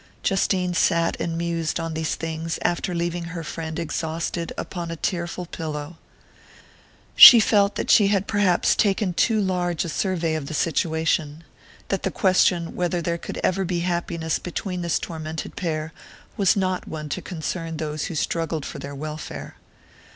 Justine sat and mused on these things after leaving her friend exhausted upon a tearful pillow. She felt that she had perhaps taken too large a survey of the situation that the question whether there could ever be happiness between this tormented pair was not one to concern those who struggled for their welfare.